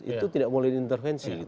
itu tidak boleh diintervensi